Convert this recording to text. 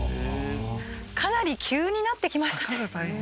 かなり急になってきましたね。